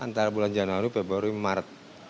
antara bulan januari februari maret dua ribu enam belas